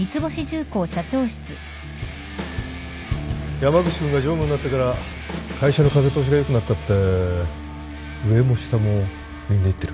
山口君が常務になってから会社の風通しが良くなったって上も下もみんな言ってる。